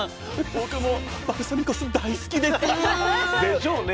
僕もバルサミコ酢大好きです！でしょうね。